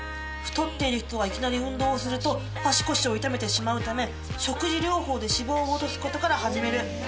「太っている人がいきなり運動をすると足腰を痛めてしまうため食事療法で脂肪を落とすことから始める」